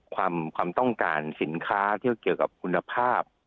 ความต้องการสินค้าเที่ยวเกี่ยวกับคุณภาพ